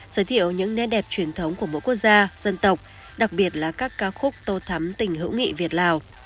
giới thiệu những nét đẹp truyền thống của mỗi quốc gia dân tộc đặc biệt là các ca khúc tô thắm tình hữu nghị việt lào